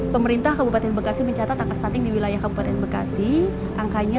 pemerintah kabupaten bekasi mencatat angka stunting di wilayah kabupaten bekasi angkanya